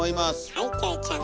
はいキョエちゃん